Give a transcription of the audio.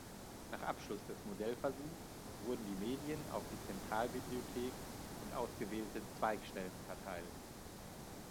Nach Abschluss des Modellversuchs wurden die Medien auf die Zentralbibliothek und ausgewählte Zweigstellen verteilt.